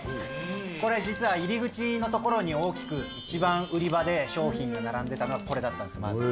これ、実は入り口の所に大きく一番売り場で商品が並んでたのがこれだったんです、まず。